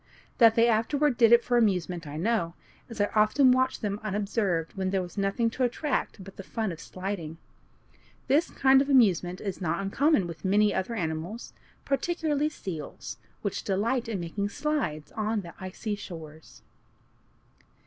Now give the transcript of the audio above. That they afterward did it for amusement I know, as I often watched them unobserved when there was nothing to attract but the fun of sliding. This kind of amusement is not uncommon with many other animals, particularly seals, which delight in making "slides" on the icy shores.